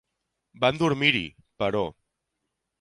Van dormir-hi; però